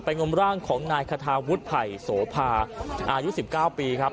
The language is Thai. งมร่างของนายคาทาวุฒิไผ่โสภาอายุ๑๙ปีครับ